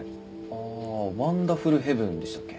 ああワンダフルヘブンでしたっけ？